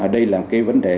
đây là cái vấn đề